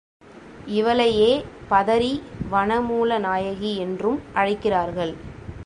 இவளையே பதரி வன மூல நாயகி என்றும் அழைக்கிறார்கள்.